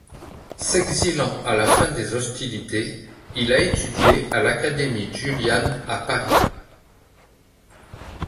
S'exilant à la fin des hostilités, il a étudié à l'Académie Julian à Paris.